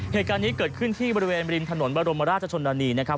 เหตุการณ์นี้เกิดขึ้นที่บริเวณริมถนนบรมราชชนนานีนะครับ